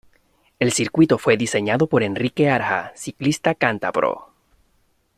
El circuito fue diseñado por Enrique Aja, ciclista cántabro.